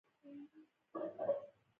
• ژوند یو هنر دی، خپله بڼه ورکړه.